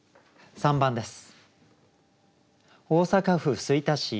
３番です。